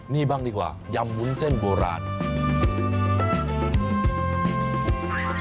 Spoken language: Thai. นี่บ้างดีกว่ายำวุ้นเส้นโบราณ